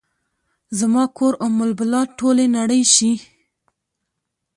زما کور ام البلاد ، ټولې نړۍ شي